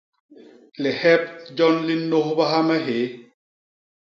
Lihep jon li nnôhbaha me hyéé.